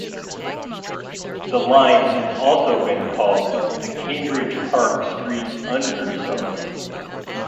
The line has also been called the Cambridge–Park Street Under subway.